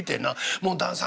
『もう旦さん